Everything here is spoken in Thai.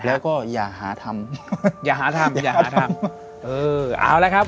แล้วก็อย่าหาทำอย่าหาทำอย่าหาทำเออเอาละครับ